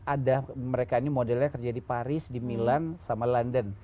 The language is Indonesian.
ada mereka ini modelnya kerja di paris di milan sama london